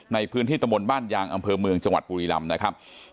ในพื้นที่ตะมนต์บ้านยางอำเภอเมืองจังหวัดบุรีรำนะครับ